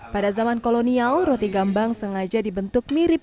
pada zaman kolonial roti gambang sengaja dibentuk mirip